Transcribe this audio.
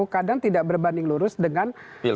kadang tidak berbanding lurus dengan